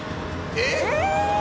えっ！